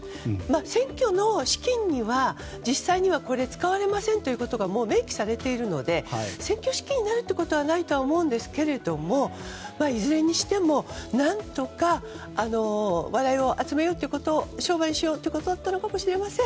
選挙の資金には実際にはこれが使われませんということがもう明記されているので選挙資金になることはないと思いますがいずれにしても何とか話題を集めようということ商売しようということだったのかもしれません。